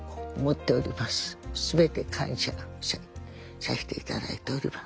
全て感謝させていただいております。